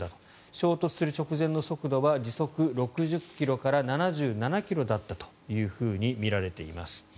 衝突する直前の速度は時速６０ｋｍから７７ｋｍだったというふうにみられています。